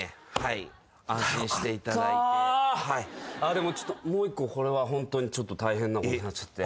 でもちょっともう１個これはホントに大変なことになっちゃって。